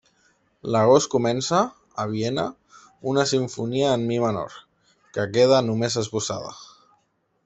L'agost comença, a Viena, una simfonia en mi menor, que queda només esbossada.